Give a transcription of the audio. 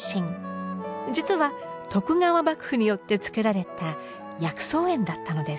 実は徳川幕府によってつくられた薬草園だったのです。